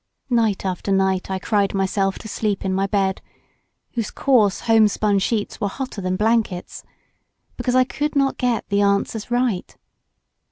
Night after night I cried myself to sleep in my bed—whose coarse home spun sheets were hotter than blankets—because I could not get the answers right.